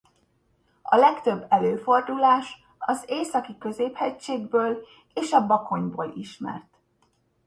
A legtöbb előfordulás a Északi-középhegységből és a Bakonyból ismert.